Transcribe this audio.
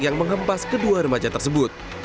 yang mengempas kedua remaja tersebut